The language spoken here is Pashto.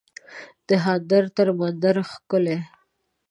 دهاندر تر مندر ښکلی